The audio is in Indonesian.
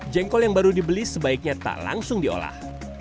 jengkol yang baru dibeli sebaiknya tak langsung diolah